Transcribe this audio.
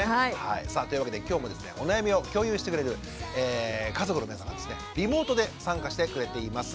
さあというわけで今日もですねお悩みを共有してくれる家族の皆さんがですねリモートで参加してくれています。